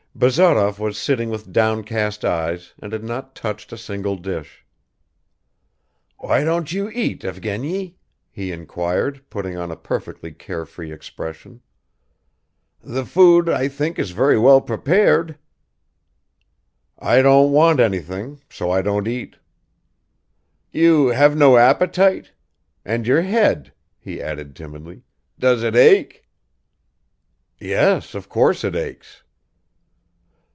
Bazarov was sitting with downcast eyes and had not touched a single dish. "Why don't you eat, Evgeny?" he inquired, putting on a perfectly carefree expression. "The food, I think, is very well prepared." "I don't want anything, so I don't eat." "You have no appetite? And your head," he added timidly, "does it ache?" "Yes, of course it aches."